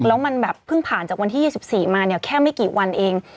แล้วมันแบบเพิ่งผ่านจากวันที่๒๔มาเนี่ยแค่ไม่กี่วันเอง